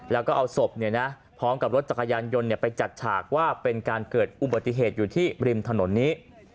แล้วก็เอาศพพร้อมกับรถจักรยานยนต์ไปจัดฉากว่าเป็นการเกิดอุบัติเหตุอยู่ที่ริมถนนนี้